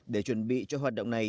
để chuẩn bị cho hoạt động này